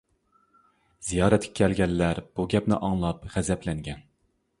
زىيارەتكە كەلگەنلەر بۇ گەپنى ئاڭلاپ غەزەپلەنگەن.